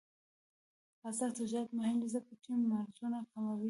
آزاد تجارت مهم دی ځکه چې مرزونه کموي.